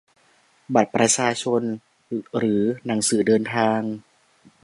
บัตรประชาชน หรือ หนังสือเดินทาง